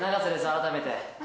改めて。